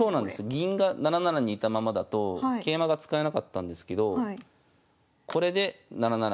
銀が７七にいたままだと桂馬が使えなかったんですけどこれで７七桂と跳ねて。